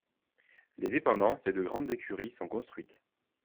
Des dépendances et de grandes écuries sont construites.